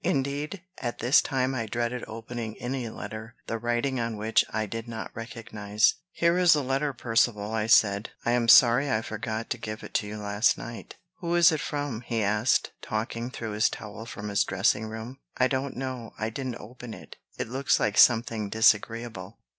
Indeed, at this time I dreaded opening any letter the writing on which I did not recognize. "Here is a letter, Percivale," I said. "I'm sorry I forgot to give it you last night." "Who is it from?" he asked, talking through his towel from his dressing room. "I don't know. I didn't open it. It looks like something disagreeable."